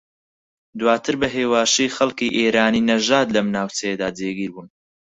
دواتر بە ھێواشی خەڵکی ئێرانی نەژاد لەم ناوچەیەدا جێگیر بوون